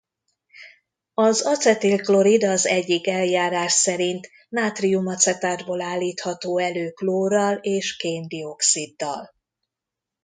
Az acetil-klorid az egyik eljárás szerint nátrium-acetátból állítható elő klórral és kén-dioxiddal.